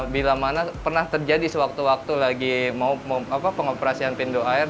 bila mana pernah terjadi sewaktu waktu lagi mau pengoperasian pintu air